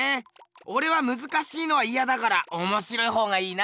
おれはむずかしいのはイヤだからおもしろいほうがいいな。